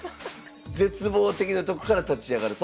絶望的なとこから立ち上がる。